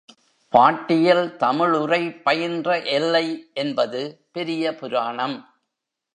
பாட்டியல் தமிழுரை பயின்ற எல்லை என்பது பெரிய புராணம்.